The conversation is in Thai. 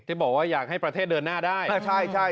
ที่บอกว่าอยากให้ประเทศเดินหน้าได้